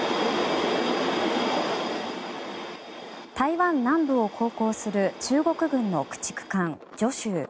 台湾南部を航行する中国軍の駆逐艦「徐州」。